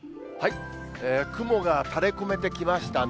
雲が垂れ込めてきましたね。